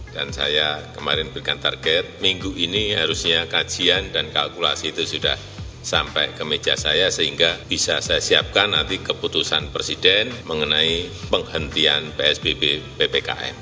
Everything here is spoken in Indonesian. dan saya kemarin berikan target minggu ini harusnya kajian dan kalkulasi itu sudah sampai ke meja saya sehingga bisa saya siapkan nanti keputusan presiden mengenai penghentian psbb ppkm